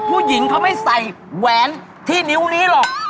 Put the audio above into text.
ผู้หญิงเขาไม่ใส่แหวนที่นิ้วนี้หรอก